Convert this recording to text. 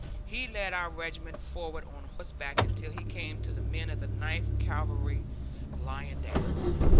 He led our regiment forward on horseback until he came to the men of the Ninth Cavalry lying down.